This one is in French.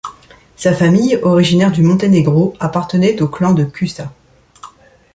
Sa famille, originaire du Monténégro, appartenait au clan de Kuča.